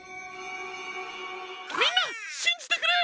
みんなしんじてくれ！